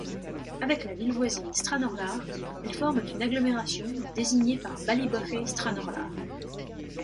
Avec la ville voisine Stranorlar, elles forment une agglomération désignée par Ballybofey-Stranorlar.